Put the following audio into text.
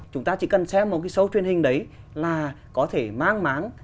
chúng ta chỉ cần xem một cái sâu truyền hình đấy là có thể mang máng